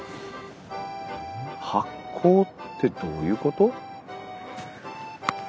発酵ってどういうこと？